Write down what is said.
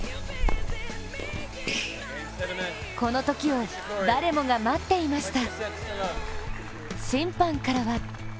このときを、誰もが待っていました。